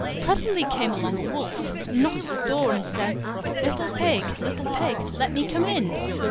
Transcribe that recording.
Presently came along a Wolf, and knocked at the door, and said, "Little Pig, little Pig, let me come in."